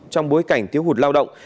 trong bối cảnh thiếu hụt lao động